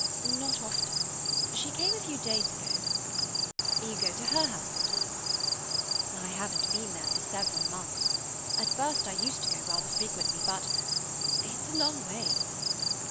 "Not often. She came a few days ago." "You go to her house sometimes?" "I haven't been there for several months. At first I used to go rather frequently, but—it's a long way."